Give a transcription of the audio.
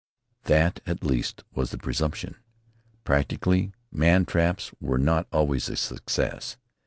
That, at least, was the presumption. Practically, man traps were not always a success.